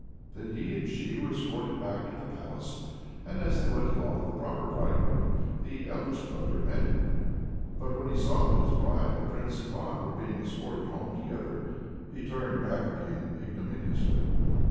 Then he and she were escorted back to the palace, and as they went along, the proper bridegroom, his eldest brother, met them. But when he saw that his bride and Prince Ivan were being escorted home together, he turned back again ignominiously.